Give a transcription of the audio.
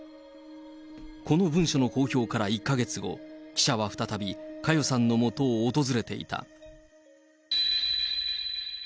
この文書の公表から１か月後、記者は再び、佳代さんのもとを訪れていた。